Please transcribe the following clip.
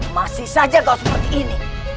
masih saja kau seperti ini